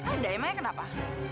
ada emangnya kenapa